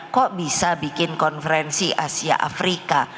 kok bisa bikin konferensi asia afrika